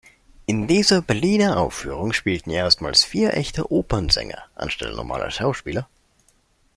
In dieser Berliner Aufführung spielten erstmals vier „echte“ Opernsänger anstelle normaler Schauspieler.